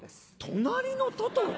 『となりのトトロ』？